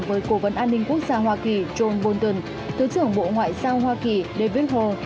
với cố vấn an ninh quốc gia hoa kỳ john bolton thứ trưởng bộ ngoại giao hoa kỳ david hall